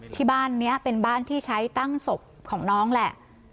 ที่บ้านนี้เป็นบ้านที่ใช้ตั้งศพของน้องแหละ